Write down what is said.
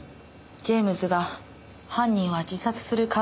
ジェームズが犯人は自殺する可能性が高いと。